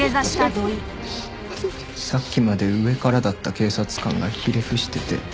さっきまで上からだった警察官がひれ伏してて。